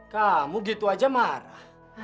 kamu gitu aja marah